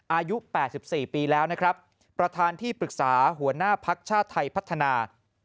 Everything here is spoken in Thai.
อายุ๘๔ปีแล้วนะครับประธานที่ปรึกษาหัวหน้าภักดิ์ชาติไทยพัฒนา